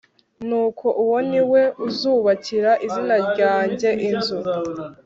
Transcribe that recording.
Nuko uwo ni we uzubakira izina ryanjye inzu